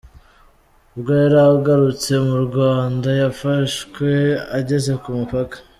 Ubwo yari agarutse mu Rwanda, yafashwe ageze ku mupaka.